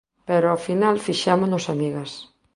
Pero ao final, fixémonos amigas.